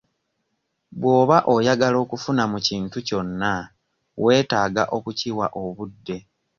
Bw'oba oyagala okufuna mu kintu kyonna weetaaga okukiwa obudde.